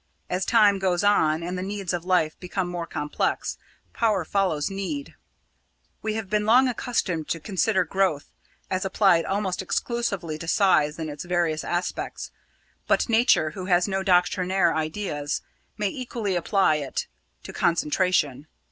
As time goes on and the needs of life become more complex, power follows need. We have been long accustomed to consider growth as applied almost exclusively to size in its various aspects. But Nature, who has no doctrinaire ideas, may equally apply it to concentration.